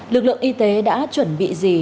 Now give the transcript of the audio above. lực lượng y tế đã chuẩn bị gì